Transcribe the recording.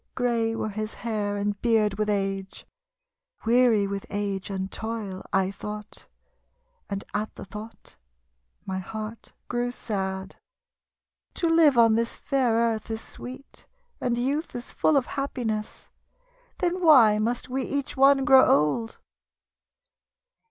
Grey were his hair and beard with age. Weary with age and toil, I tho't, And at the tho't my heart grew sad. "To live on this fair earth is sweet, And youth is full of happiness. Then why must wc each one grow old?"